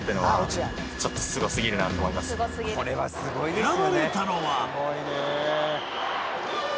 選ばれたのは。